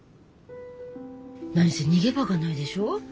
何せ逃げ場がないでしょ？